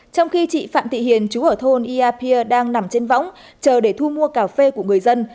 trong khi chị phạm thị hiền chú ở thôn iapia đang nằm trên võng chờ để thu mua cà phê của người dân